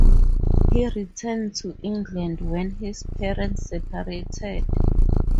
He returned to England when his parents separated.